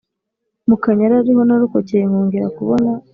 mukanyaru ariho narokokeye nkogera kubona